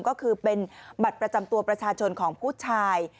ก็คือเป็นบัตรประจำตัวประชาชนของผู้ชาย